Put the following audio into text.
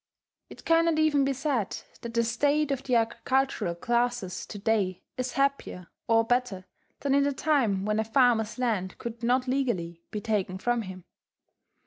It cannot even be said that the state of the agricultural classes to day is happier or better than in the time when a farmer's land could not legally be taken from him.